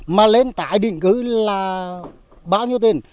mà lên tải định cứ là bao nhiêu tiền